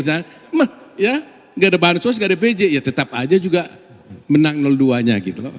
tidak ada bansos tidak ada pj tetap saja juga menang dua nya